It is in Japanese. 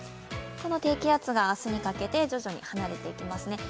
この低気圧が明日にかけて徐々に離れていきます。